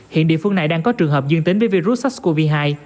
hiện địa phương này đang có trường hợp dương tính với virus sars cov hai